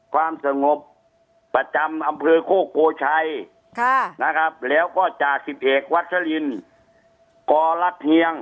ความสงบประจำอำเภอโคกโกชัยนะครับแล้วก็จากสิบเอกวัชลินกรเพียง